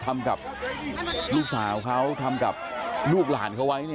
ทำกับลูกสาวเขาทำกับลูกหลานเขาไว้